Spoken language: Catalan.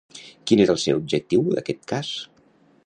Quin és el seu objectiu d'aquest cas?